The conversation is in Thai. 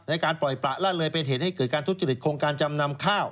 ในการปล่อยประละเลยเป็นเหตุให้เกิดการทุจริตโครงการจำนำข้าว